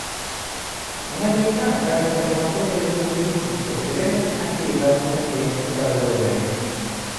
Многие страны также продемонстрировали свою политическую приверженность активизации Конференции по разоружению.